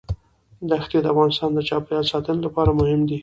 دښتې د افغانستان د چاپیریال ساتنې لپاره مهم دي.